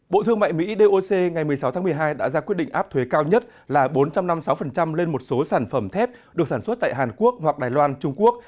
bộ thương mại mỹ doc ngày một mươi sáu tháng một mươi hai đã ra quyết định áp thuế cao nhất là bốn trăm năm mươi sáu lên một số sản phẩm thép được sản xuất tại hàn quốc hoặc đài loan trung quốc